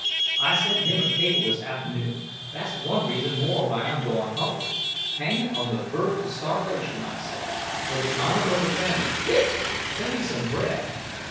I sent him a cable, this af'noon—thass one reason more why I'm goin' home. 'Hangin' on the verge of starvation,' I says—'for the honor of the family—hic—sen' me some bread.